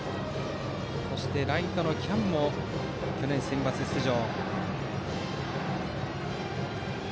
そしてライトの喜屋武も去年センバツ出場。